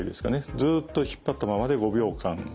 ずっと引っ張ったままで５秒間。